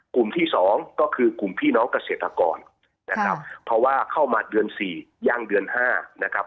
กลุ่มที่สองก็คือกลุ่มพี่น้องเกษตรกรนะครับเพราะว่าเข้ามาเดือนสี่ย่างเดือนห้านะครับ